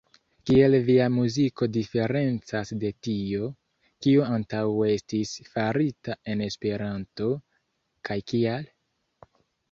Kiel via muziko diferencas de tio, kio antaŭe estis farita en Esperanto, kaj kial?